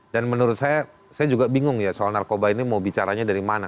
dan menurut saya saya juga bingung ya soal narkoba ini mau bicaranya dari mana